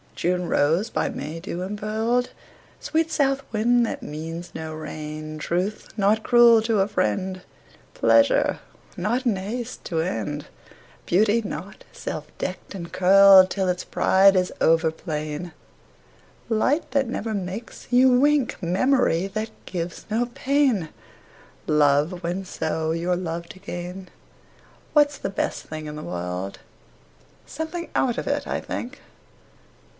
June rose, by May dew impearled; Sweet south wind, that means no rain; Truth, not cruel to a friend; Pleasure, not in haste to end; Beauty, not self decked and curled Till its pride is over plain; Light, that never makes you wink; Memory, that gives no pain; Love, when, so, you're loved again. What's the best thing in the world? Something out of it, I think.